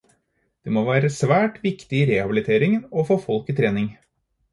Det må være svært viktig i rehabiliteringen å få folk i trening.